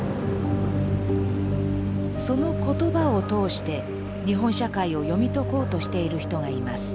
その言葉を通して日本社会を読み解こうとしている人がいます。